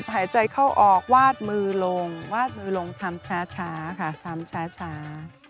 หายใจเข้าออกวาดมือลงวาดมือลงทำช้าค่ะทำช้า